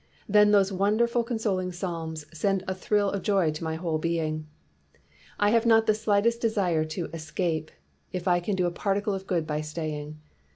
Then those won derfully consoling Psalms send a thrill of joy into my whole being. "I have not the slightest desire to 'es cape, ' if I can do a particle of good by stay ing.